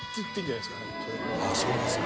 ああそうですか。